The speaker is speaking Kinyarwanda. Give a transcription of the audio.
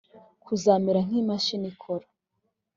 kuzamera nk imashini ikora